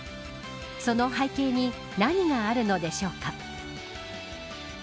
その背景に何があるのでしょうか。